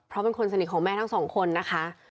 เพราะเป็นคนสนิทของแม่ทั้งสองคนนะคะ